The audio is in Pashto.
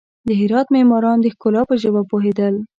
د هرات معماران د ښکلا په ژبه پوهېدل.